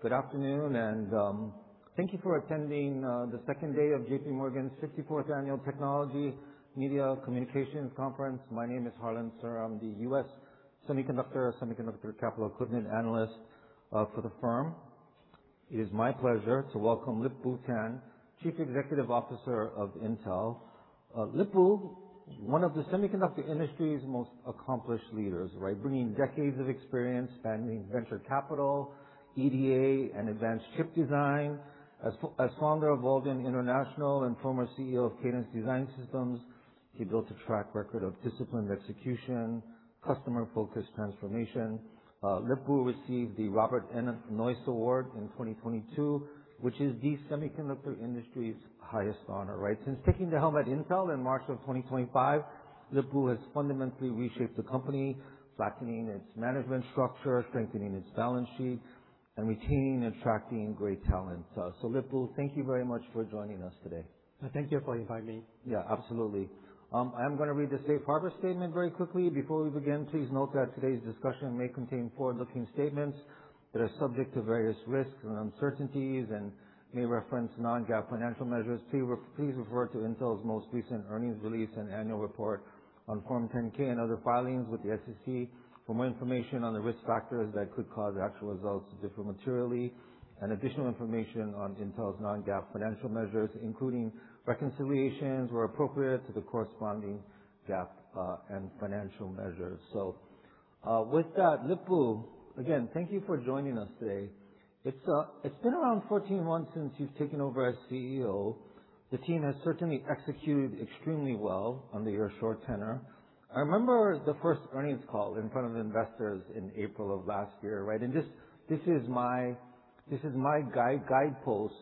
All right. Good afternoon and thank you for attending the second day of J.P. Morgan's 54th Annual Technology Media Communications Conference. My name is Harlan Sur. I'm the U.S. semiconductor capital equipment analyst for the firm. It is my pleasure to welcome Lip-Bu Tan, Chief Executive Officer of Intel. Lip-Bu, one of the semiconductor industry's most accomplished leaders, right? Bringing decades of experience spanning venture capital, EDA and advanced chip design. As founder of Walden International and former CEO of Cadence Design Systems, he built a track record of disciplined execution, customer-focused transformation. Lip-Bu received the Robert N. Noyce Award in 2022, which is the semiconductor industry's highest honor, right? Since taking the helm at Intel in March of 2025, Lip-Bu has fundamentally reshaped the company, flattening its management structure, strengthening its balance sheet, and retaining and attracting great talent. Lip-Bu, thank you very much for joining us today. Thank you for inviting me. Yeah, absolutely. I'm gonna read the safe harbor statement very quickly. Before we begin, please note that today's discussion may contain forward-looking statements that are subject to various risks and uncertainties and may reference non-GAAP financial measures. Please refer to Intel's most recent earnings release and annual report on Form 10-K and other filings with the SEC for more information on the risk factors that could cause actual results to differ materially and additional information on Intel's non-GAAP financial measures, including reconciliations where appropriate, to the corresponding GAAP and financial measures. With that, Lip-Bu, again, thank you for joining us today. It's, it's been around 14 months since you've taken over as CEO. The team has certainly executed extremely well under your short tenure. I remember the first earnings call in front of investors in April of last year, right? This is my guidepost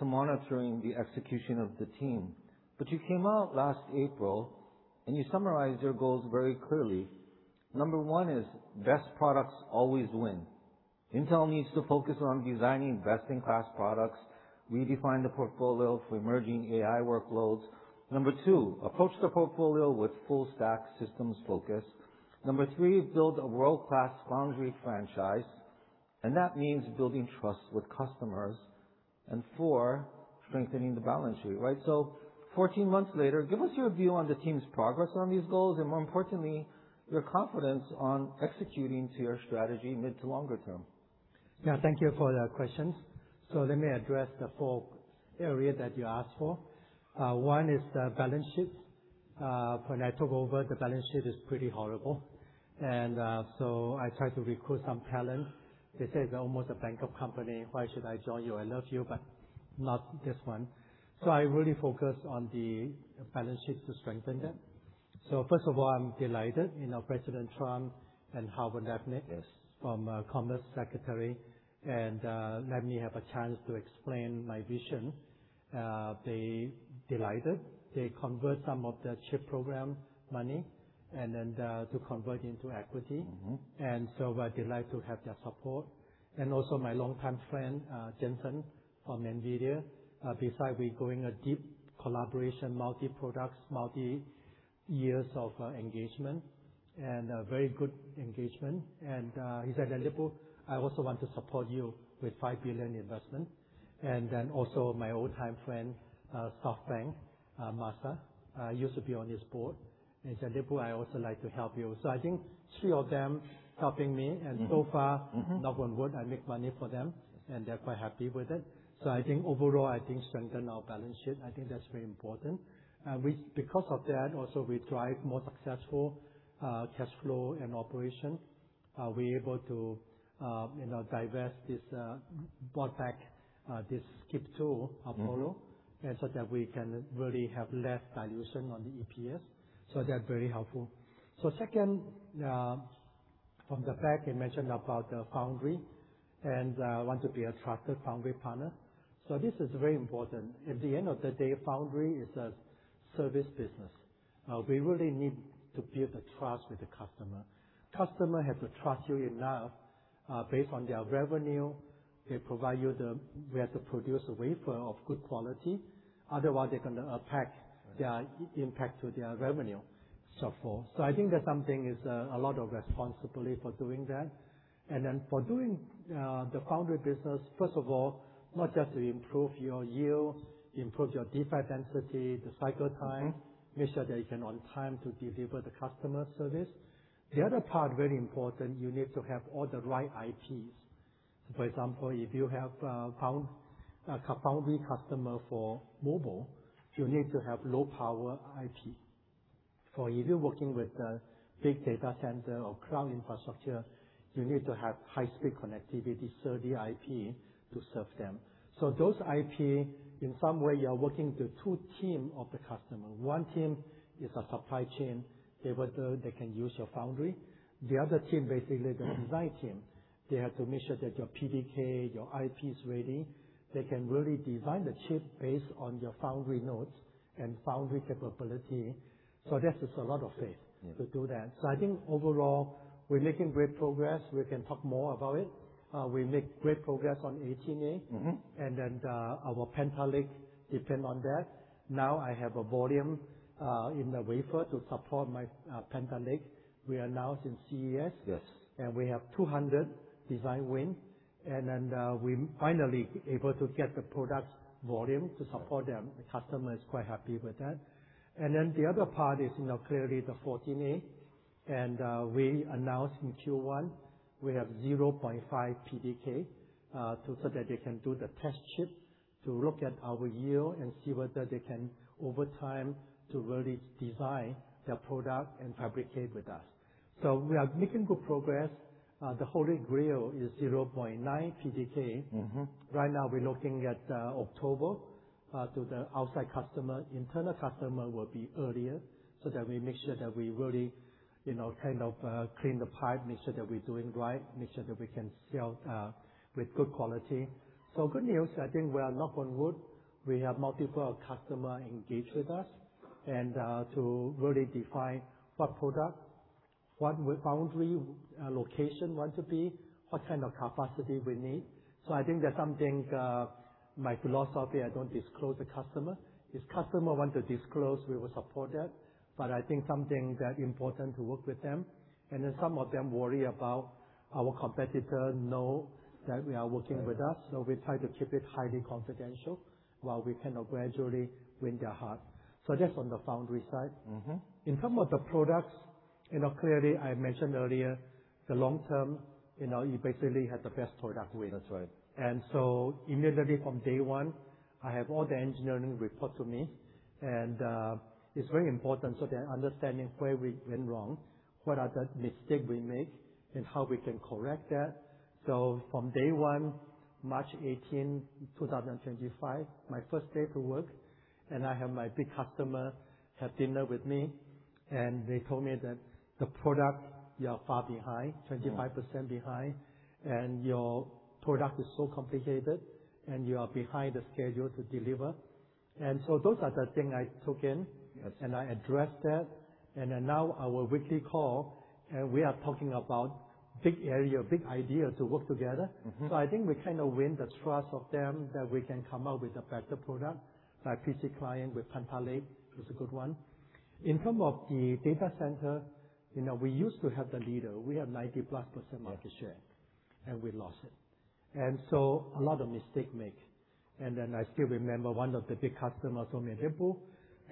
to monitoring the execution of the team. You came out last April, and you summarized your goals very clearly. Number one is best products always win. Intel needs to focus on designing best-in-class products, redefine the portfolio for emerging AI workloads. Number two, approach the portfolio with full stack systems focus. Number three, build a world-class foundry franchise, and that means building trust with customers. Four, strengthening the balance sheet, right? 14 months later, give us your view on the team's progress on these goals, and more importantly, your confidence on executing to your strategy mid to longer term. Yeah. Thank you for the questions. Let me address the four area that you asked for. One is the balance sheet. When I took over the balance sheet is pretty horrible. I tried to recruit some talent. They said, "You're almost a bankrupt company. Why should I join you? I love you, but not this one." I really focused on the balance sheet to strengthen that. First of all, I'm delighted, President Trump and Howard Lutnick is from, Commerce Secretary, let me have a chance to explain my vision. They delighted. They convert some of the chip program money to convert into equity. We're delighted to have their support. Also my longtime friend, Jensen from NVIDIA. Besides we're going a deep collaboration, multi-products, multi-years of engagement and a very good engagement. He said, "Lip-Bu, I also want to support you with $5 billion investment." Also my old time friend, SoftBank, Masa, used to be on his board, and he said, "Lip-Bu, I also like to help you." I think three of them helping me, and so far, knock on wood, I make money for them, and they're quite happy with it. I think overall, I think strengthen our balance sheet. I think that's very important. Because of that, also we drive more successful cash flow and operation. We're able to, you know, divest this, bought back, this SCIP2 Apollo, that we can really have less dilution on the EPS. That's very helpful. Second, from the fact you mentioned about the foundry, want to be a trusted foundry partner. This is very important. At the end of the day, foundry is a service business. We really need to build a trust with the customer. Customer have to trust you enough, based on their revenue. We have to produce a wafer of good quality, otherwise they're gonna impact to their revenue, so forth. I think that something is a lot of responsibility for doing that. For doing the foundry business, first of all, not just to improve your yield, improve your D0 density, the cycle time, make sure that you can on time to deliver the customer service. The other part, very important, you need to have all the right IPs. For example, if you have a foundry customer for mobile, you need to have low power IP. For if you're working with a big data center or cloud infrastructure, you need to have high-speed connectivity, SerDes IP to serve them. Those IP, in some way, you are working the two team of the customer. One team is a supply chain. They whether they can use your foundry. The other team, basically the design team, they have to make sure that your PDK, your IP is ready. They can really design the chip based on your foundry nodes. Foundry capability to do that. I think overall, we're making great progress. We can talk more about it. We make great progress on Intel 18A. Our Panther Lake depend on that. I have a volume in the wafer to support my Panther Lake. We announced in CES. We have 200 design win. We finally able to get the product volume to support them. The customer is quite happy with that. The other part is, you know, clearly the Intel 14A. We announced in Q1, we have 0.5 PDK so that they can do the test chip to look at our yield and see whether they can, over time, to really design their product and fabricate with us. We are making good progress. The Holy Grail is 0.9 PDK. Right now we're looking at October to the outside customer. Internal customer will be earlier, so that we make sure that we really, you know, kind of, clean the pipe, make sure that we're doing right, make sure that we can sell with good quality. Good news, I think we are, knock on wood, we have multiple customer engaged with us and to really define what product, what foundry location want to be, what kind of capacity we need. I think that's something, my philosophy, I don't disclose the customer. If customer want to disclose, we will support that. I think something that important to work with them. Some of them worry about our competitor know that we are working with us. We try to keep it highly confidential while we kind of gradually win their heart, just on the foundry side. In terms of the products, you know, clearly I mentioned earlier, the long term, you know, you basically have the best product win. That's right. Immediately from day one, I have all the engineering report to me. It's very important so they're understanding where we went wrong, what are the mistake we make, and how we can correct that. From day one, March 18, 2025, my first day to work, and I have my big customer have dinner with me, and they told me that the product, you are far behind. 25% behind. Your product is so complicated, and you are behind the schedule to deliver. Those are the things I took in. Yes. I address that. Now our weekly call, we are talking about big area, big idea to work together. I think we kind of win the trust of them that we can come up with a better product. My PC client with Panther Lake was a good one. In term of the data center, you know, we used to have the leader. We have +90% market share, and we lost it. A lot of mistake make. I still remember one of the big customers told me, "Lip-Bu,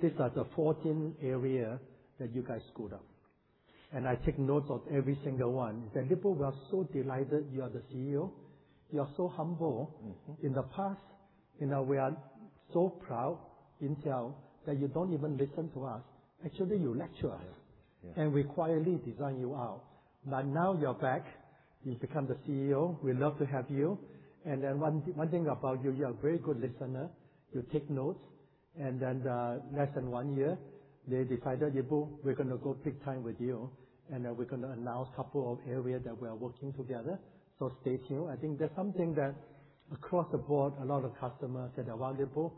these are the 14 area that you guys screwed up." I take notes of every single one. He said, "Lip-Bu, we are so delighted you are the CEO. You are so humble. In the past, you know, we are so proud, Intel, that you don't even listen to us. Actually, you lecture us. Yes, yes. We quietly design you out. Now you're back, you've become the CEO. We love to have you. Then one thing about you're a very good listener. You take notes. Then less than one year, they decided, "Lip-Bu, we're gonna go big time with you, and we're gonna announce couple of areas that we are working together. Stay tuned." I think that's something that across the board, a lot of customers said, "Well, Lip-Bu,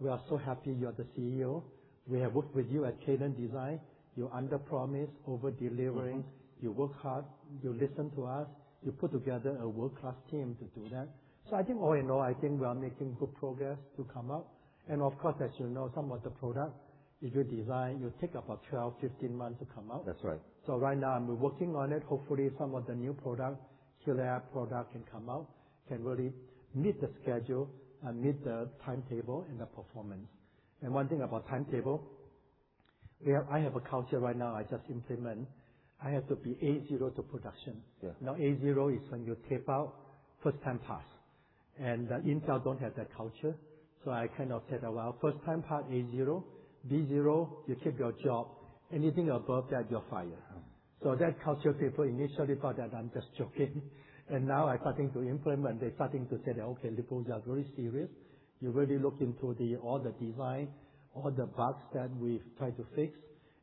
we are so happy you are the CEO. We have worked with you at Cadence Design. You underpromise, over-delivering. You work hard. You listen to us. You put together a world-class team to do that." I think all in all, I think we are making good progress to come out. Of course, as you know, some of the product, if you design, you take about 12, 15 months to come out. That's right. Right now I'm working on it. Hopefully, some of the new product, [Chill AI] product can come out, can really meet the schedule and meet the timetable and the performance. One thing about timetable, I have a culture right now I just implement. I have to be A0 to production. A0 is when you tape out, first time pass. Intel don't have that culture. I kind of said, "Well, first time pass, A0. B0, you keep your job. Anything above that, you're fired. That culture, people initially thought that I'm just joking. Now I'm starting to implement. They're starting to say, "Okay, Lip-Bu, you are very serious. You really look into all the design, all the bugs that we've tried to fix,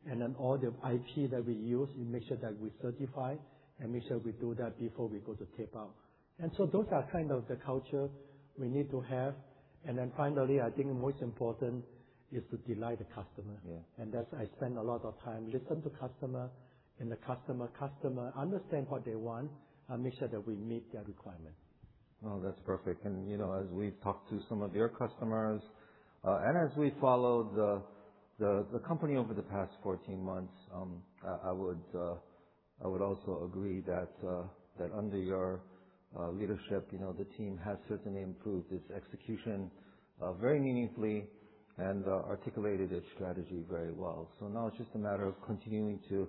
and then all the IP that we use, you make sure that we certify and make sure we do that before we go to tape out." Those are kind of the culture we need to have. Finally, I think most important is to delight the customer. I spend a lot of time listen to customer and the customer understand what they want and make sure that we meet their requirement. Well, that's perfect. You know, as we've talked to some of your customers, as we follow the company over the past 14 months, I would also agree that under your leadership, you know, the team has certainly improved its execution very meaningfully and articulated its strategy very well. Now it's just a matter of continuing to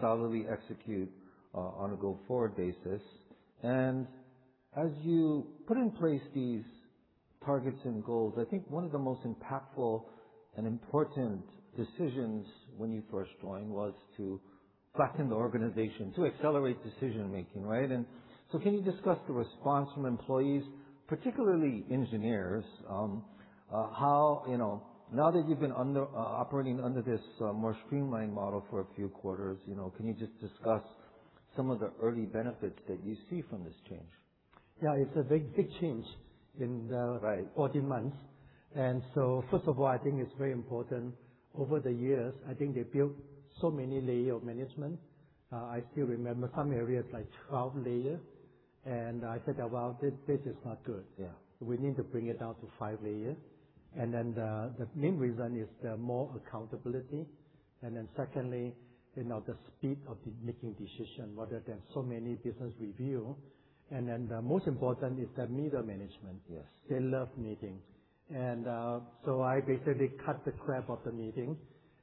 solidly execute on a go-forward basis. As you put in place these targets and goals, I think one of the most impactful and important decisions when you first joined was to flatten the organization to accelerate decision-making, right? Can you discuss the response from employees, particularly engineers, how, you know, now that you've been operating under this, more streamlined model for a few quarters, you know, can you just discuss some of the early benefits that you see from this change? Yeah, it's a very big change. 14 months. First of all, I think it's very important. Over the years, I think they built so many layer of management. I still remember some areas like 12 layer. I said, "Well, this is not good. We need to bring it down to five layer. The main reason is the more accountability. Secondly, you know, the speed of the making decision, rather than so many business review. The most important is the middle management. Yes. They love meetings. I basically cut the crap of the meeting.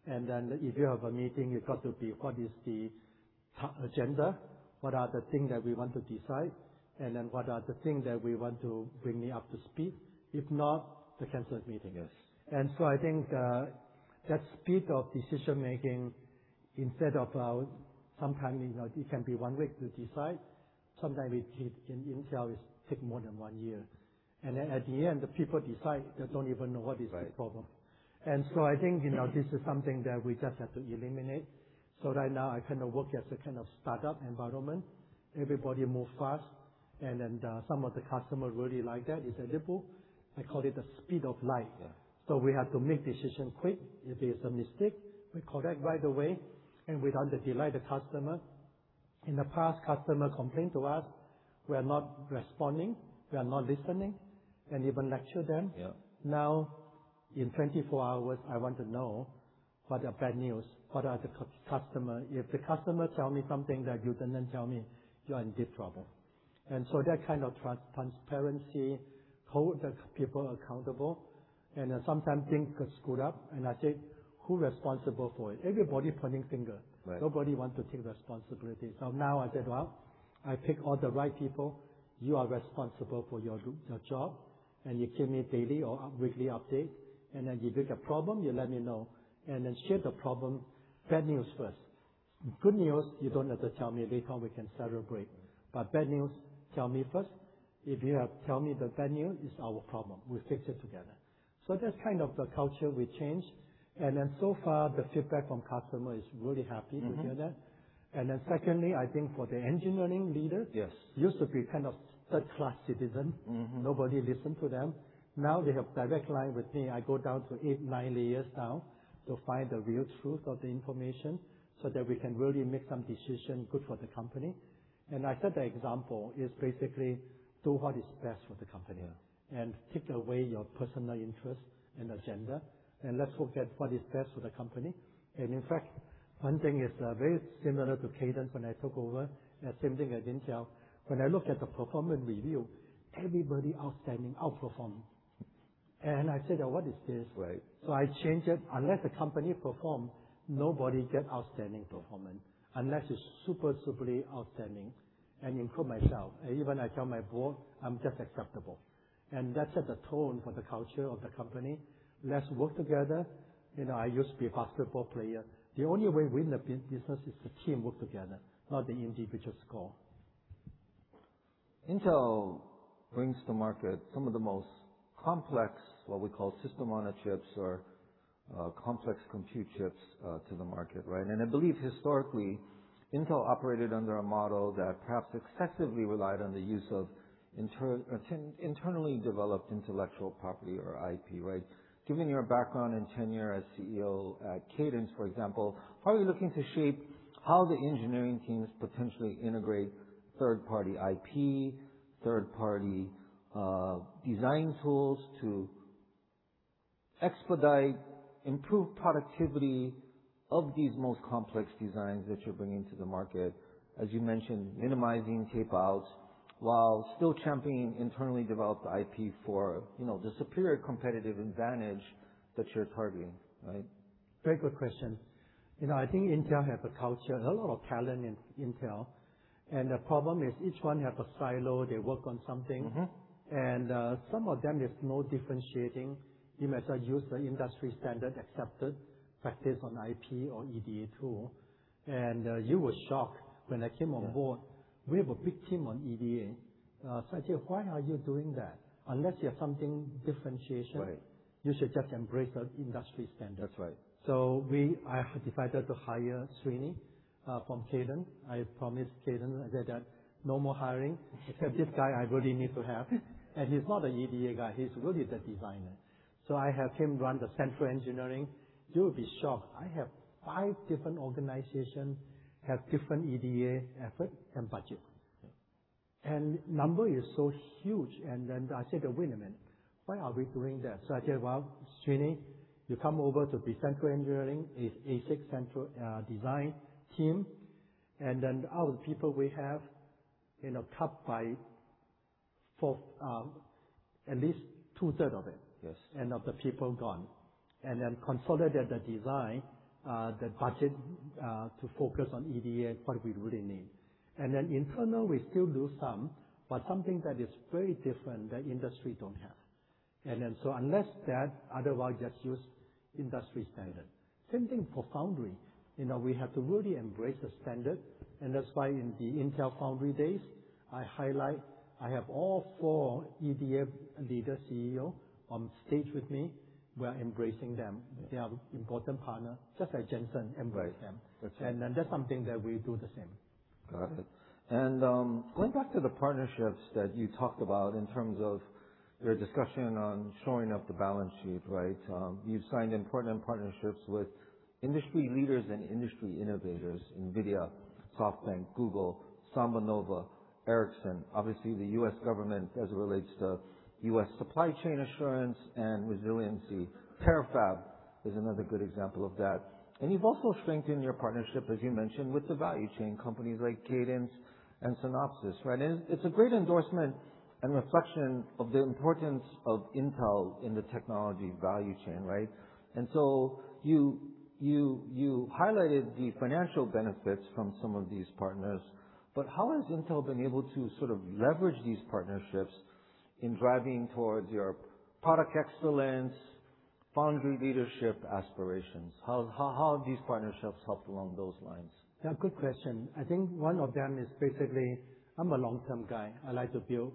If you have a meeting, it got to be what is the agenda, what are the things that we want to decide, and then what are the things that we want to bring me up to speed. If not, they cancel the meeting. I think that speed of decision making instead of, sometimes, you know, it can be one week to decide, sometimes in Intel is take more than one year. At the end, the people decide, they don't even know what is the problem. Right. I think, you know, this is something that we just have to eliminate. Right now I kind of work as a kind of startup environment. Everybody move fast, and then, some of the customers really like that. I call it the speed of light. We have to make decision quick. If it's a mistake, we correct right away, and we want to delight the customer. In the past, customer complained to us, we are not responding, we are not listening, and even lecture them. Yeah. In 24 hours, I want to know what are bad news, what are the customer. If the customer tell me something that you didn't tell me, you are in deep trouble. That kind of transparency hold the people accountable. Sometimes things get screwed up, and I say, "Who responsible for it?" Everybody pointing finger. Right. Nobody want to take responsibility. Now I said, "Well, I pick all the right people. You are responsible for your group, your job, and you give me daily or weekly update. You build a problem, you let me know. Share the problem, bad news first. Good news, you don't have to tell me. Later we can celebrate. Bad news, tell me first. If you have tell me the bad news, it's our problem. We fix it together." That's kind of the culture we changed. So far, the feedback from customer is really happy to hear that. Secondly, I think for the engineering used to be kind of third-class citizen. Nobody listened to them. Now they have direct line with me. I go down to eight, nine layers now to find the real truth of the information so that we can really make some decision good for the company. I set the example is basically do what is best for the company. Take away your personal interest and agenda, and let's look at what is best for the company. In fact, one thing is very similar to Cadence when I took over, same thing as Intel. When I look at the performance review, everybody outstanding, outperforming. I said, "What is this? I changed it. Unless the company perform, nobody get outstanding performance. Unless it's super, superly outstanding. Include myself. Even I tell my board I'm just acceptable. That set the tone for the culture of the company. Let's work together. You know, I used to be a basketball player. The only way win the business is the team work together, not the individual score. Intel brings to market some of the most complex, what we call systems-on-chip or complex compute chips to the market, right? I believe historically, Intel operated under a model that perhaps excessively relied on the use of internally developed intellectual property or IP, right? Given your background and tenure as CEO at Cadence, for example, how are you looking to shape how the engineering teams potentially integrate third-party IP, third-party design tools to expedite, improve productivity of these most complex designs that you're bringing to the market? As you mentioned, minimizing tape outs while still championing internally developed IP for, you know, the superior competitive advantage that you're targeting, right? Very good question. You know, I think Intel has a culture and a lot of talent in Intel. The problem is each one has a silo, they work on something. Some of them, there's no differentiating. You may say use the industry standard accepted practice on IP or EDA tool. You were shocked when I came on board. We have a big team on EDA. I said, "Why are you doing that? Unless you have something differentiation you should just embrace the industry standard. That's right. I decided to hire Srini from Cadence. I promised Cadence that no more hiring, except this guy I really need to have. He's not an EDA guy. He's really the designer. I have him run the central engineering. You'll be shocked. I have five different organization, have different EDA effort and budget. Number is so huge. I said, "Wait a minute, why are we doing that?" I said, "Well, Srini, you come over to be central engineering, is ASIC central design team, all the people we have, you know, cut by four, at least 2/3 of it. Yes. Of the people gone. Then consolidated the design, the budget, to focus on EDA, what we really need. Then internal, we still do some, but something that is very different that industry don't have. Unless that, otherwise just use industry standard. Same thing for foundry. You know, we have to really embrace the standard, that's why in the Intel Foundry days, I highlight, I have all four EDA leader CEO on stage with me. We are embracing them. They are important partner, just like Jensen embrace them. That's something that we do the same. Got it. Going back to the partnerships that you talked about in terms of your discussion on shoring up the balance sheet, right? You've signed important partnerships with industry leaders and industry innovators, NVIDIA, SoftBank, Google, SambaNova, Ericsson, obviously the U.S. government as it relates to U.S. supply chain assurance and resiliency. Terafab is another good example of that. You've also strengthened your partnership, as you mentioned, with the value chain companies like Cadence and Synopsys, right? It's a great endorsement and reflection of the importance of Intel in the technology value chain, right? You highlighted the financial benefits from some of these partners, but how has Intel been able to sort of leverage these partnerships in driving towards your product excellence, foundry leadership aspirations? How have these partnerships helped along those lines? Yeah, good question. I think one of them is basically, I'm a long-term guy. I like to build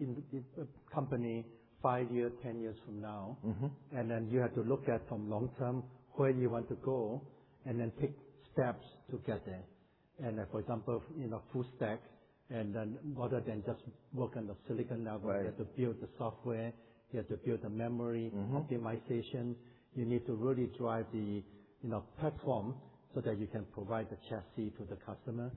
in a company five years, 10 years from now. Then you have to look at from long term where you want to go and then take steps to get there. For example, you know, full stack, and then rather than just work on the silicon level you have to build the software, you have to build the memory optimization. You need to really drive the, you know, platform so that you can provide the chassis to the customer.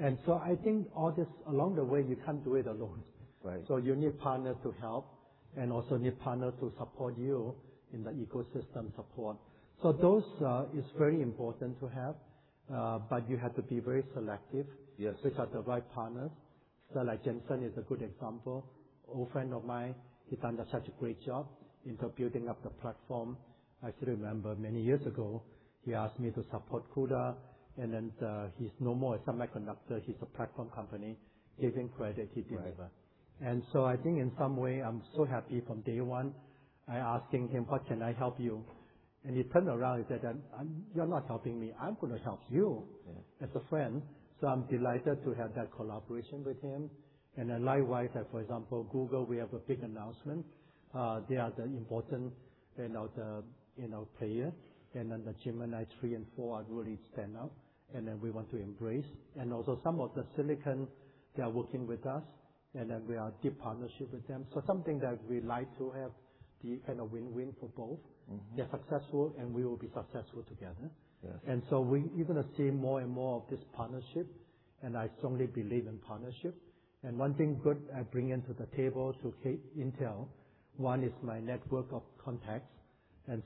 I think all this along the way, you can't do it alone. Right. You need partners to help and also need partners to support you in the ecosystem support. Those is very important to have, but you have to be very selective which are the right partners. Jensen is a good example. Old friend of mine, he's done such a great job into building up the platform. I still remember many years ago, he asked me to support CUDA. He's no more a semiconductor, he's a platform company. Giving credit, he did. Right. I think in some way, I'm so happy from day one, I asking him, "What can I help you?" He turned around, he said, "You're not helping me. I'm gonna help you. As a friend. I'm delighted to have that collaboration with him. Likewise, like for example, Google, we have a big announcement. They are the important, you know, player. The Gemini 3 and 4 are really stand out, and then we want to embrace. Some of the silicon, they are working with us, and then we are deep partnership with them. Something that we like to have the kind of win-win for both. They're successful, and we will be successful together. Yes. We even see more and more of this partnership. I strongly believe in partnership. One thing good I bring into the table at Intel, one is my network of contacts.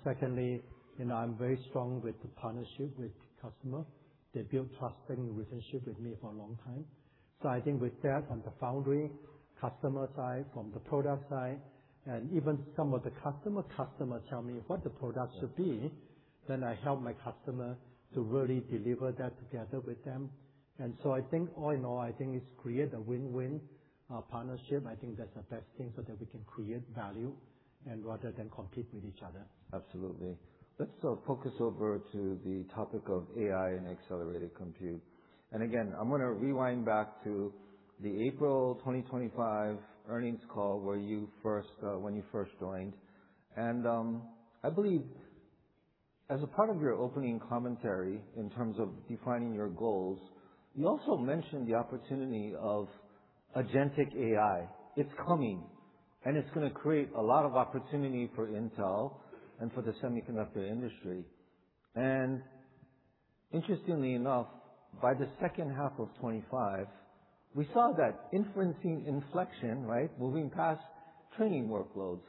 Secondly, you know, I'm very strong with the partnership with customer. They build trusting relationship with me for a long time. I think with that, from the foundry customer side, from the product side, even some of the customer customers tell me what the product should be, I help my customer to really deliver that together with them. I think all in all, I think it's create a win-win partnership. I think that's the best thing so that we can create value rather than compete with each other. Absolutely. Let's focus over to the topic of AI and accelerated compute. Again, I'm gonna rewind back to the April 2025 earnings call when you first joined. I believe as a part of your opening commentary in terms of defining your goals, you also mentioned the opportunity of agentic AI. It's coming, and it's gonna create a lot of opportunity for Intel and for the semiconductor industry. Interestingly enough, by the second half of 2025, we saw that inferencing inflection, right? Moving past training workloads.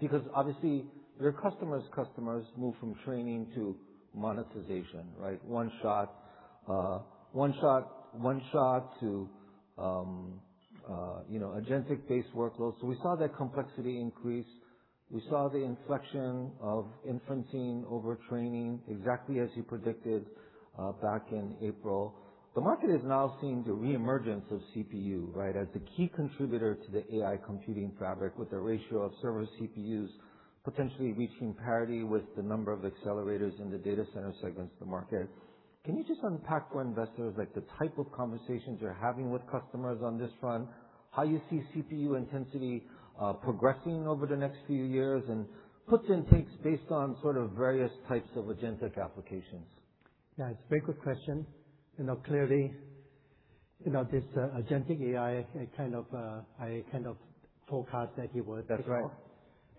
Because obviously your customers move from training to monetization, right? One shot to, you know, agentic-based workloads. We saw that complexity increase. We saw the inflection of inferencing over training exactly as you predicted back in April. The market is now seeing the re-emergence of CPU, right, as a key contributor to the AI computing fabric with a ratio of server CPUs potentially reaching parity with the number of accelerators in the data center segments the market. Can you just unpack for investors, like the type of conversations you're having with customers on this front, how you see CPU intensity progressing over the next few years, and puts and takes based on sort of various types of agentic applications? Yeah, it's a very good question. You know, clearly, you know, this agentic AI, I kind of forecast that it would take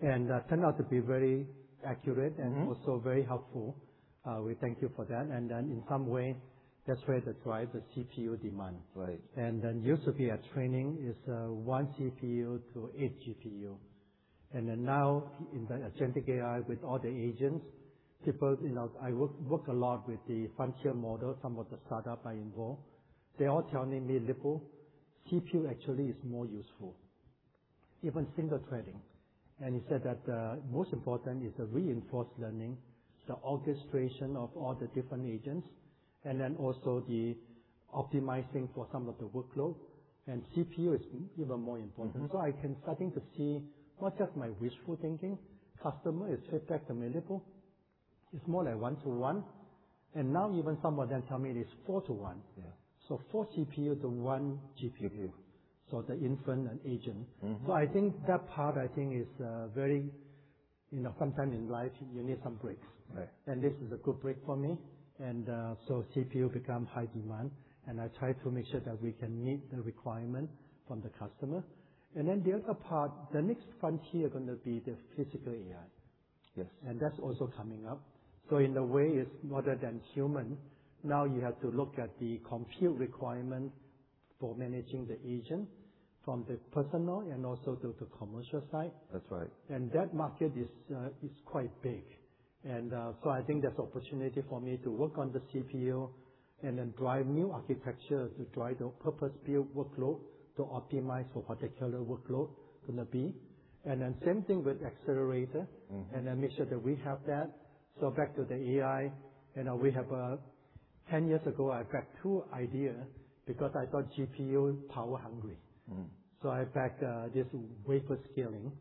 off. That turned out to be very accurate. Also very helpful. We thank you for that. In some way, that's where the drive the CPU demand. Right. Used to be a training is one CPU to eight GPU. Now in the agentic AI with all the agents, people, you know, I work a lot with the function model, some of the startup I involve. They're all telling me, "Lip-Bu, CPU actually is more useful, even single threading." He said that most important is the reinforced learning, the orchestration of all the different agents, also the optimizing for some of the workload. CPU is even more important. I can starting to see not just my wishful thinking, customer is feedback to me, "Lip-Bu, it's more like one to one." Now even some of them tell me it is four to one. Four CPU to one GPU. The infant and agent. I think that part is very. You know, sometimes in life you need some breaks. This is a good break for me. So CPU become high demand, and I try to make sure that we can meet the requirement from the customer. Then the other part, the next frontier, gonna be the physical AI. That's also coming up. In a way, it's smarter than human. You have to look at the compute requirement for managing the agent from the personal and also to the commercial side. That's right. That market is quite big. I think there's opportunity for me to work on the CPU and then drive new architecture to drive the purpose-built workload to optimize for particular workload gonna be. Same thing with accelerator. Make sure that we have that. Back to the AI. You know, we have 10 years ago, I backed two ideas because I thought GPU power hungry. I backed this wafer scaling.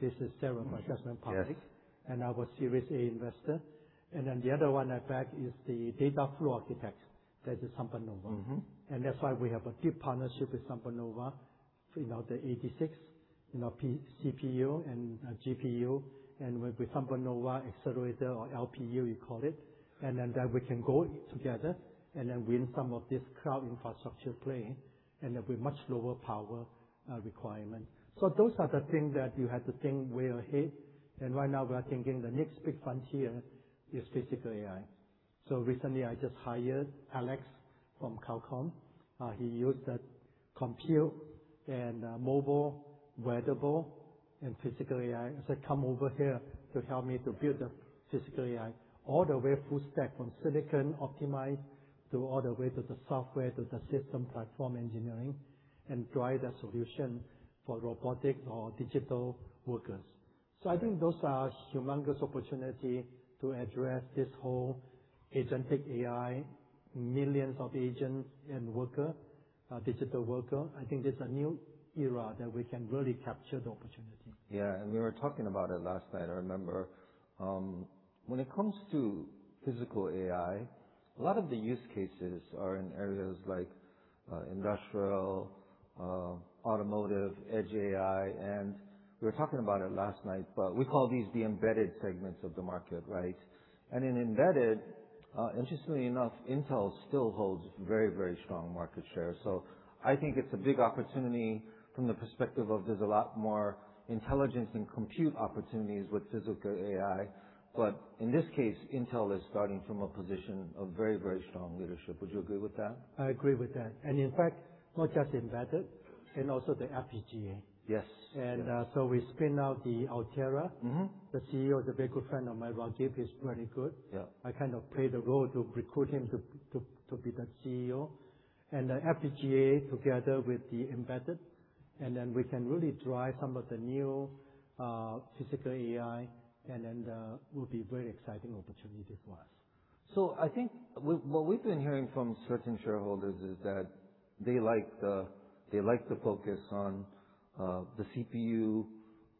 This is Cerebras investment products. I was series A investor. The other one I backed is the data flow architect. That is SambaNova. That's why we have a deep partnership with SambaNova. You know, the 86, you know, CPU and GPU, and with SambaNova accelerator or LPU, we call it. That we can go together and then win some of this cloud infrastructure play, and there'll be much lower power requirement. Those are the things that you have to think way ahead. Right now, we are thinking the next big frontier is physical AI. Recently, I just hired Alex from Qualcomm. He used the compute and mobile wearable and physical AI. Come over here to help me to build the physical AI, all the way full stack from silicon optimize through all the way to the software, to the system platform engineering, and drive the solution for robotic or digital workers. I think those are humongous opportunity to address this whole agentic AI, millions of agents and worker, digital worker. I think it's a new era that we can really capture the opportunity. Yeah. We were talking about it last night, I remember. When it comes to physical AI, a lot of the use cases are in areas like industrial, automotive, edge AI, and we were talking about it last night, but we call these the embedded segments of the market, right? In embedded, interestingly enough, Intel still holds very, very strong market share. I think it's a big opportunity from the perspective of there's a lot more intelligence and compute opportunities with physical AI. In this case, Intel is starting from a position of very, very strong leadership. Would you agree with that? I agree with that. In fact, not just embedded and also the FPGA. We spin out the Altera. The CEO is a very good friend of mine. Rajib is very good. I kind of played a role to recruit him to be the CEO and the FPGA together with the embedded, and then we can really drive some of the new physical AI, and then will be very exciting opportunity for us. I think what we've been hearing from certain shareholders is that they like the focus on the CPU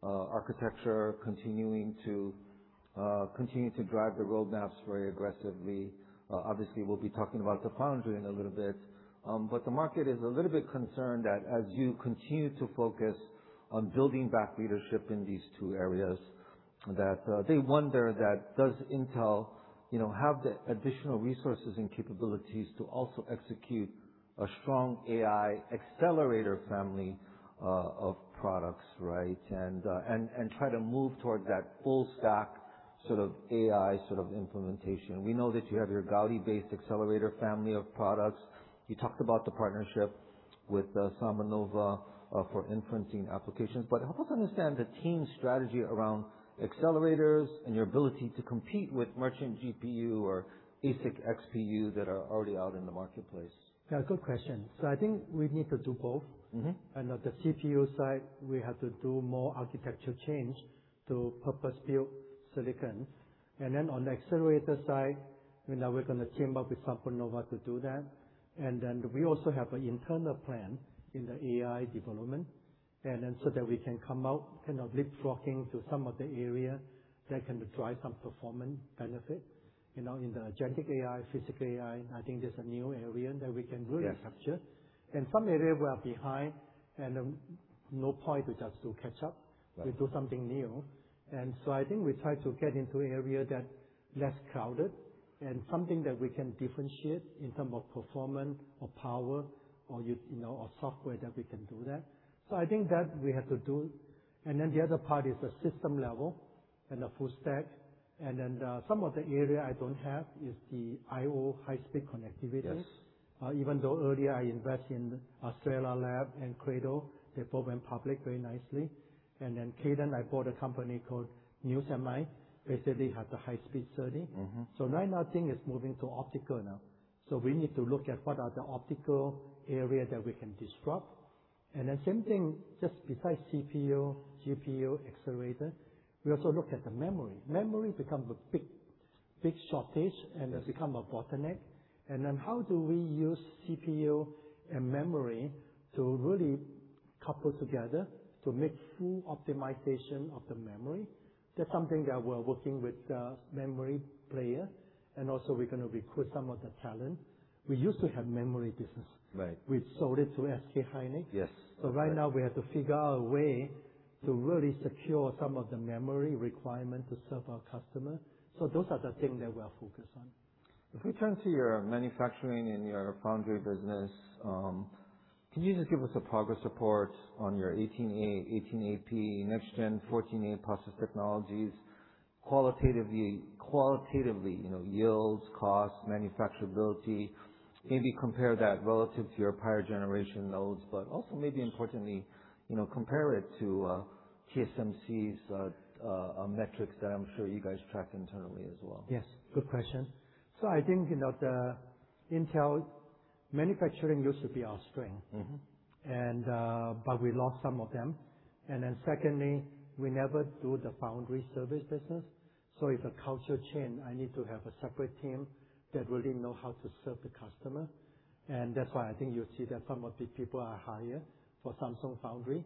architecture continuing to continue to drive the roadmaps very aggressively. Obviously, we'll be talking about the foundry in a little bit. The market is a little bit concerned that as you continue to focus on building back leadership in these two areas, that they wonder that does Intel, you know, have the additional resources and capabilities to also execute a strong AI accelerator family of products, right? Try to move toward that full stack sort of AI sort of implementation. We know that you have your Gaudi-based accelerator family of products. You talked about the partnership with SambaNova for inferencing applications. Help us understand the team's strategy around accelerators and your ability to compete with merchant GPU or ASIC XPU that are already out in the marketplace. Yeah, good question. I think we need to do both. At the CPU side, we have to do more architecture change to purpose-built silicon. On the accelerator side, you know, we're gonna team up with SambaNova to do that. We also have an internal plan in the AI development. So that we can come out kind of leapfrogging to some of the area that can drive some performance benefit. You know, in the agentic AI, physical AI, I think there's a new area that we can really capture. Yes. In some area we are behind and no point to just do catch up. We do something new. I think we try to get into area that less crowded and something that we can differentiate in term of performance or power or you know, or software that we can do that. I think that we have to do. The other part is the system level and the full stack. Some of the area I don't have is the IO high-speed connectivity. Yes. Even though earlier I invest in Astera Labs and Credo, they both went public very nicely. Cadence, I bought a company called nusemi, basically has a high speed SerDes. Right now, I think it's moving to optical now. We need to look at what are the optical area that we can disrupt. Same thing, just besides CPU, GPU, accelerator, we also look at the memory. Memory becomes a big shortage has become a bottleneck. How do we use CPU and memory to really couple together to make full optimization of the memory? That's something that we're working with the memory player. Also we're gonna recruit some of the talent. We used to have memory business. Right. We sold it to SK Hynix. Right now we have to figure out a way to really secure some of the memory requirement to serve our customer. Those are the things that we are focused on. If we turn to your manufacturing and your foundry business, can you just give us a progress report on your 18A-P, next gen 14A process technologies, qualitatively, you know, yields, costs, manufacturability? Maybe compare that relative to your prior generation nodes. Also maybe importantly, you know, compare it to TSMC's metrics that I'm sure you guys track internally as well. Yes, good question. I think, you know, the Intel manufacturing used to be our strength. We lost some of them. Secondly, we never do the foundry service business. It's a culture change. I need to have a separate team that really know how to serve the customer. That's why I think you see that some of the people I hire for Samsung Foundry,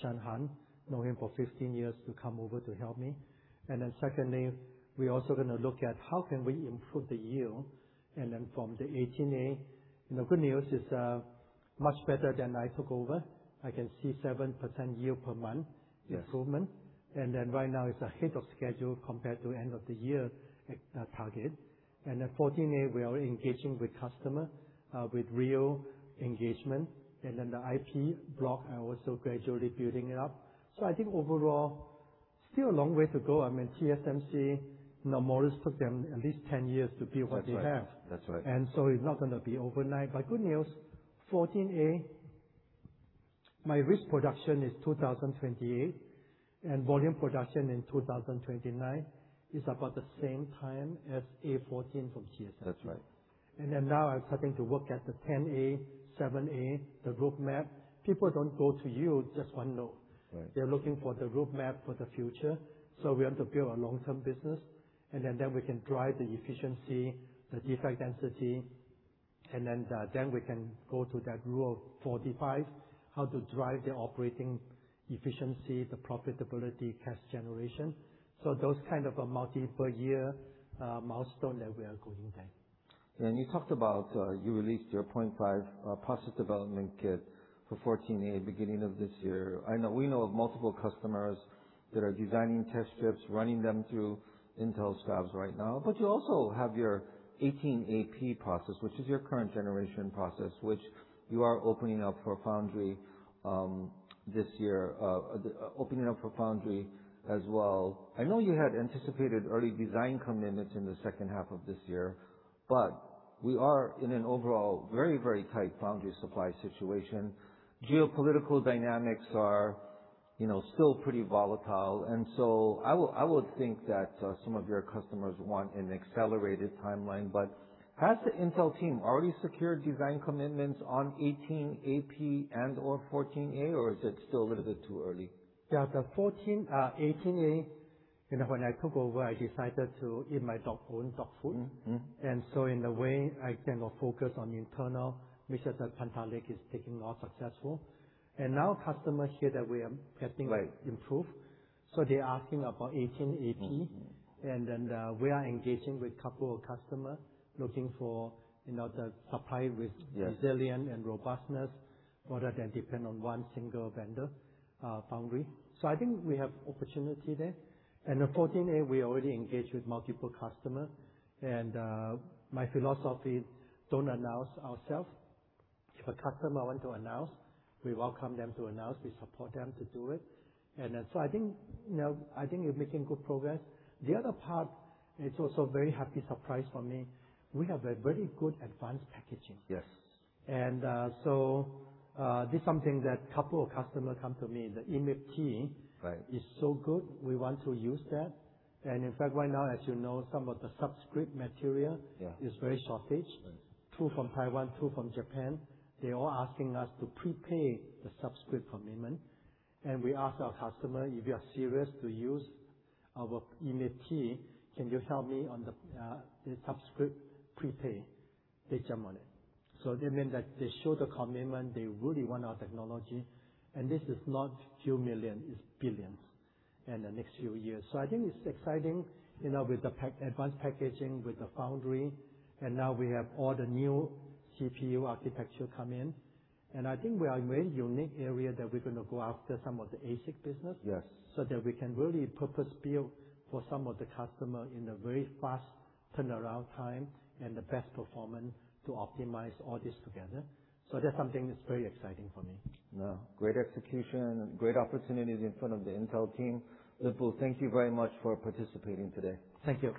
Shawn Han, know him for 15 years, to come over to help me. Secondly, we're also gonna look at how can we improve the yield. From the Intel 18A, you know, good news is, much better than I took over. I can see 7% yield per month improvement. Right now it's ahead of schedule compared to end of the year target. Intel 14A, we are engaging with customer with real engagement. The IP block are also gradually building it up. I think overall, still a long way to go. TSMC, Morris took them at least 10 years to build what they have. That's right. It's not going to be overnight. Good news, 14A, my risk production is 2028, and volume production in 2029 is about the same time as A14 from TSMC. That's right. Now I'm starting to work at the 10A, 7A, the roadmap. People don't go to you, just one node. They're looking for the roadmap for the future. We have to build a long-term business, and then we can drive the efficiency, the defect density, and then we can go to that Rule of 40, how to drive the operating efficiency, the profitability, cash generation. Those kind of a multi-per-year milestone that we are going there. You talked about, you released your 0.5 process development kit for Intel 14A, beginning of this year. We know of multiple customers that are designing test chips, running them through Intel's fabs right now. You also have your 18A-P process, which is your current generation process, which you are opening up for foundry this year. Opening up for foundry as well. I know you had anticipated early design commitments in the second half of this year, but we are in an overall very, very tight foundry supply situation. Geopolitical dynamics are, you know, still pretty volatile. I would think that some of your customers want an accelerated timeline. Has the Intel team already secured design commitments on 18A-P and/or Intel 14A, or is it still a little bit too early? Yeah, Intel 18A, you know, when I took over, I decided to eat my dog own dog food. In a way, I kind of focus on internal, which is that Panther Lake is taking off successful. Customers hear that we are getting improved, so they're asking about 18A-P. We are engaging with couple of customers looking for, you know, the supply resilient and robustness, rather than depend on one single vendor, foundry. I think we have opportunity there. The Intel 14A, we already engaged with multiple customers. My philosophy, don't announce ourselves. If a customer want to announce, we welcome them to announce. We support them to do it. I think, you know, I think we're making good progress. The other part is also very happy surprise for me. We have a very good advanced packaging. This is something that couple of customers come to me, the EMIB-T is so good, we want to use that. In fact, right now, as you know, some of the substrate material is very shortage. Two from Taiwan, two from Japan, they're all asking us to prepay the substrate commitment. We ask our customer, "If you are serious to use our EMIB-T, can you help me on the substrate prepay?" They jump on it. That means that they show the commitment. They really want our technology. This is not few million, it's billions in the next few years. I think it's exciting, you know, with the advanced packaging, with the foundry, and now we have all the new CPU architecture come in. I think we are in very unique area that we're going to go after some of the ASIC business. Yes. That we can really purpose build for some of the customer in a very fast turnaround time and the best performance to optimize all this together. That's something that's very exciting for me. Great execution. Great opportunities in front of the Intel team. Lip-Bu, thank you very much for participating today. Thank you.